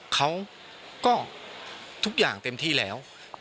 เขาก็ทุกอย่างเต็มที่แล้ว